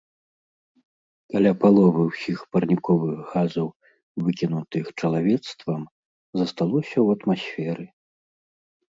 Каля паловы ўсіх парніковых газаў, выкінутых чалавецтвам, засталося ў атмасферы.